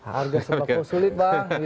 harga sepakku sulit bang